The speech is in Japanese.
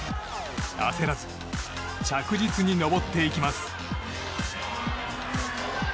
焦らず、着実に登っていきます。